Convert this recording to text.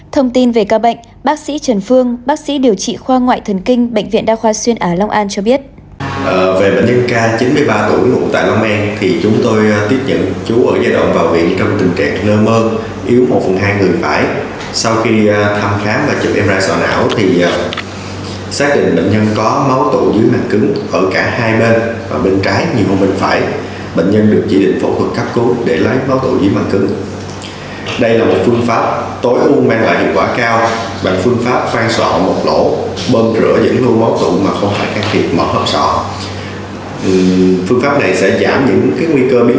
thông tin về ca bệnh bác sĩ trần phương bác sĩ điều trị khoa ngoại thần kinh bệnh viện đa khoa xuyên ở long an cho biết